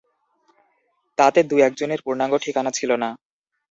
তাতে দু একজনের পূর্ণাঙ্গ ঠিকানা ছিল না।